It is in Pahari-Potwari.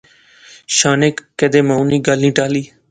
شانے کیدے مائو نی گل نی ٹالی